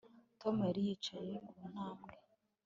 Tom yari yicaye ku ntambwe